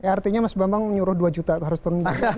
artinya mas bambang menyuruh dua juta harus tunduk